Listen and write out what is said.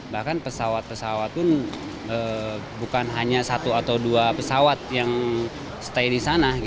bahkan pesawat pesawat pun bukan hanya satu atau dua pesawat yang stay di sana